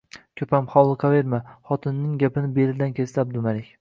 Ko`pam hovliqaverma, xotininingn gapini belidan kesdi Abdumalik